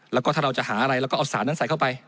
แล้วก็ถ้าเราจะหาอะไรแล้วก็เอาสารนั้นใส่เข้าไป